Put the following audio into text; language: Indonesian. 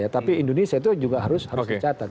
tapi indonesia itu juga harus dicatat